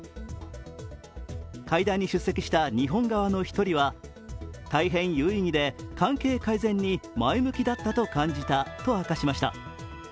会談に出席した日本側の１人は、大変有意義で関係改善に前向きだったと感じたと明かしました。